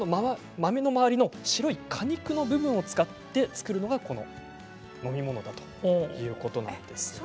豆の周りの白い果肉の部分を使って作るのがこの飲み物だということです。